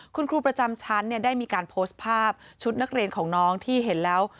คุณครูประจำชั้นได้มีการโพสต์ภาพชุดนักเรียนของน้องที่เห็นแล้ว